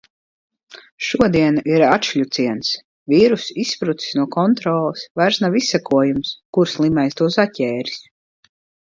Šodiena ir atšļuciens. Vīruss izsprucis no kontroles, vairs nav izsekojams, kur slimais to saķēris.